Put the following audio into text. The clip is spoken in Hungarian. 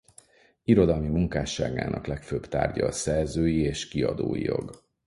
Irodalmi munkásságának legfőbb tárgya a szerzői és kiadói jog.